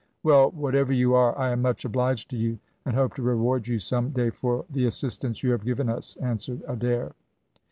"Well, whatever you are, I am much obliged to you, and hope to reward you some day for the assistance you have given us," answered Adair.